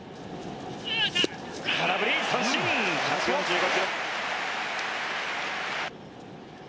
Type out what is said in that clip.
空振り、三振１３５ｋｍ。